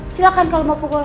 silakan kalau mau pukul